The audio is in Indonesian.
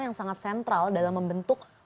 yang sangat sentral dalam membentuk